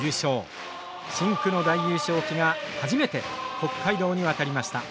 深紅の大優勝旗が初めて北海道に渡りました。